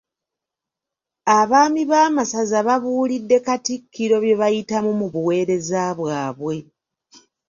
Abaami b'amasaza babuulidde Katikkiro bye bayitamu mu buweereza bwabwe.